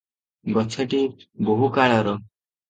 ଗଛଟି ବହୁକାଳର ।